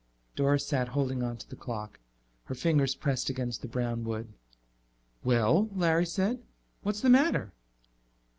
Doris sat holding onto the clock, her fingers pressed against the brown wood. "Well," Larry said, "what's the matter?"